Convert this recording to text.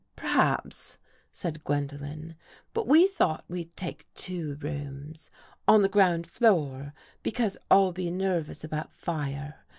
" Perhaps," said Gwendolen. " But we thought we'd take two rooms — on the ground floor, be cause I'll be nervous about fire.